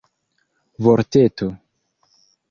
vorteto